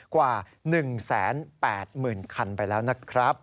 กว่า๑๘๐๐๐คันไปแล้วนะครับ